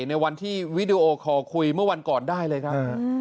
ในวันที่วิดีโอคอลคุยเมื่อวันก่อนได้เลยครับ